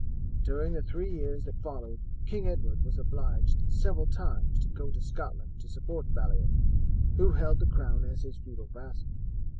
During the three years that followed King Edward was obliged several times to go to Scotland to support Baliol, who held the crown as his feudal vassal.